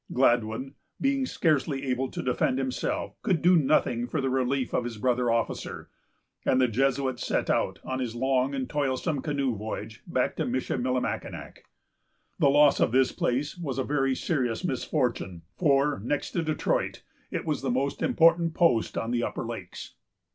Gladwyn, being scarcely able to defend himself, could do nothing for the relief of his brother officer, and the Jesuit set out on his long and toilsome canoe voyage back to Michillimackinac. The loss of this place was a very serious misfortune, for, next to Detroit, it was the most important post on the upper lakes.